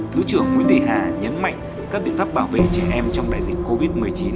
thứ trưởng nguyễn thị hà nhấn mạnh các biện pháp bảo vệ trẻ em trong đại dịch covid một mươi chín